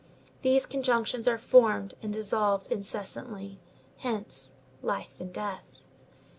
These conjunctions are formed and dissolved incessantly; hence life and death.